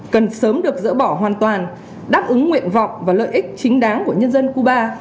cần sớm được dỡ bỏ hoàn toàn đáp ứng nguyện vọng và lợi ích chính đáng của nhân dân cuba